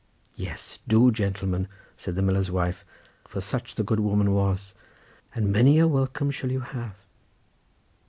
"Yes, do, gentleman," said the miller's wife, for such the good woman was; "and many a welcome shall you have."